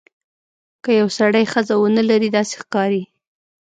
که یو سړی ښځه ونه لري داسې ښکاري.